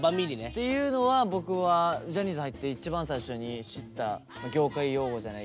っていうのは僕はジャニーズ入って一番最初に知った業界用語じゃないけど。